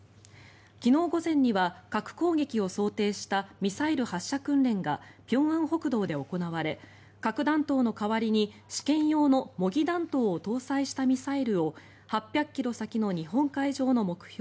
昨日午前には核攻撃を想定したミサイル発射訓練が平安北道で行われ核弾頭の代わりに試験用の模擬弾頭を搭載したミサイルを８００ｋｍ先の日本海上の目標